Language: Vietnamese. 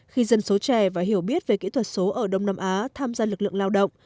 khi dân số trẻ và hiểu biết về kỹ thuật số ở đông nam á tham gia lực lượng lao động